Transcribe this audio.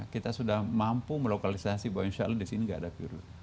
kita sudah mampu melokalisasi bahwa insya allah di sini tidak ada virus